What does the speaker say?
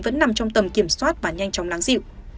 vẫn nằm trong tầm kiểm soát và nhanh chóng lắng dịu